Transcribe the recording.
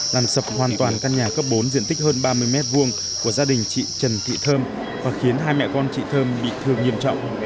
làm sập hoàn toàn căn nhà cấp bốn diện tích hơn ba mươi m hai của gia đình chị trần thị thơm và khiến hai mẹ con chị thơm bị thương nghiêm trọng